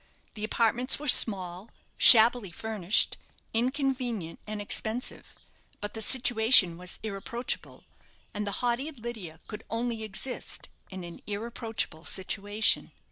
The apartments were small, shabbily furnished, inconvenient, and expensive; but the situation was irreproachable, and the haughty Lydia could only exist in an irreproachable situation.